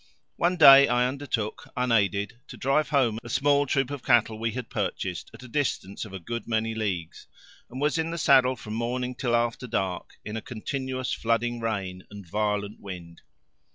One day I undertook, unaided, to drive home a small troop of cattle we had purchased at a distance of a good many leagues, and was in the saddle from morning till after dark in a continuous flooding rain and violent wind.